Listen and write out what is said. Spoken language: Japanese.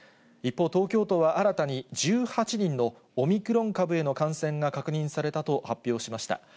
一方、東京都は新たに１８人のオミクロン株への感染が確認されたと発表しました。